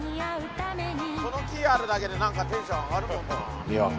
この木あるだけでなんかテンション上がるもんな。